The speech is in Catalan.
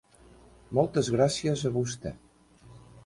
Moltes gracies a vostè.